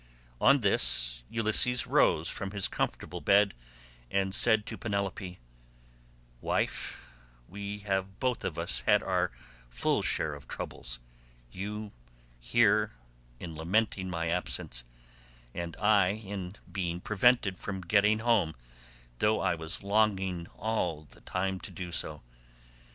On this, Ulysses rose from his comfortable bed and said to Penelope, "Wife, we have both of us had our full share of troubles, you, here, in lamenting my absence, and I in being prevented from getting home though I was longing all the time to do so.